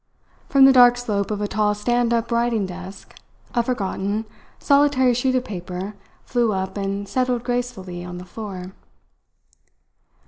From the dark slope of a tall stand up writing desk a forgotten, solitary sheet of paper flew up and settled gracefully on the floor.